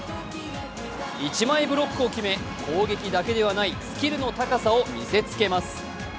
１枚ブロックを決め、攻撃だけではないスキルの高さを見せつけます。